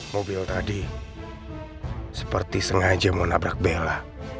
mobil tadi seperti sengaja mau nabrak bella